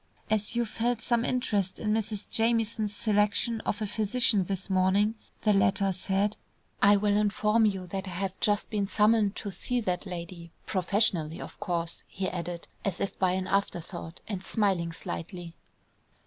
"As you felt some interest in Mrs. Jamieson's selection of a physician this morning," the latter said, "I will inform you that I have just been summoned to see that lady, professionally, of course," he added, as if by an afterthought, and smiling slightly.